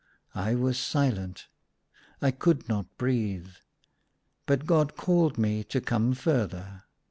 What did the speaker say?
I was silent ; I could not breathe ; but God called me to come further.